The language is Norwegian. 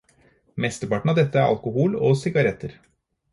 Mesteparten av dette er alkohol og sigaretter.